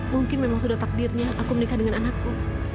mungkin memang sudah takdirnya aku menikah dengan anakku